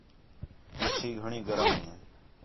مچھی گھݨی گرم ہے